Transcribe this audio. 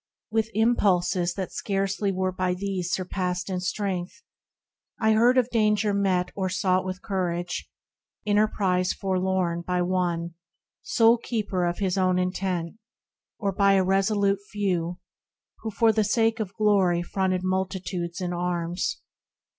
With impulses, that scarcely were by these Surpassed in strength, I heard of danger met Or sought with courage ; enterprise forlorn By one, sole keeper of his own intent, Or by a resolute few, who for the sake Of glory fronted multitudes in arms.